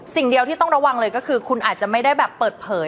สิ่งเดียวที่ต้องระวังเลยก็คือคุณอาจจะไม่ได้แบบเปิดเผย